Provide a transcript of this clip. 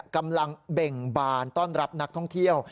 กำลังเบ่งบานต้อนรับนักท่องเที่ยว